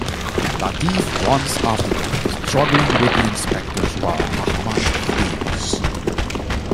Lateef runs after them, struggling with the inspectors while Rahmat flees.